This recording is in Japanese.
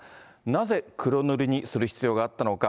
なぜ黒塗りにする必要があったのか。